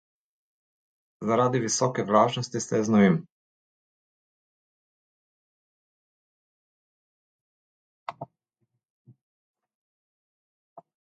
Zaradi visoke vlažnosti se znojim.